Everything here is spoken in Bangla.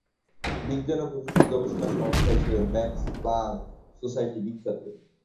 বিজ্ঞান ও প্রযুক্তি গবেষণা সংস্থা হিসেবে মাক্স প্লাংক সোসাইটি বিখ্যাত।